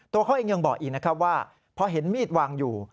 ตัวเขาเองยังบอกอีกนะครับว่าพอเห็นมีดวางอยู่